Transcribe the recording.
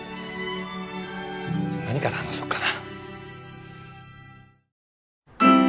じゃあ何から話そうかな。